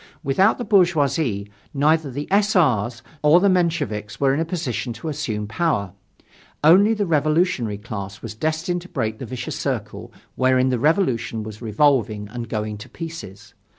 Without the bourgeoisie neither the S. R.'s nor the Mensheviks were in a position to assume power. Only the revolutionary class was destined to break the vicious circle wherein the Revolution was revolving and going to pieces.